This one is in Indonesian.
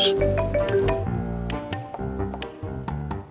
mereka mau ke taslim